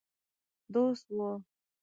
دوست وو.